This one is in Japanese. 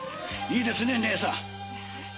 いいですね姉さん？